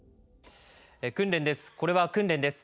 訓練です。